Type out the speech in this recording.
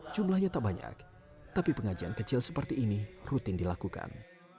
jumlahnya tak banyak tapi pengajian kecil seperti ini rutin dilakukan